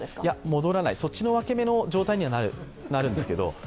戻らない、そっちの分け目の状態にはなるんですけど。